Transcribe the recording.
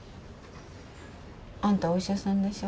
あんたお医者さんでしょ。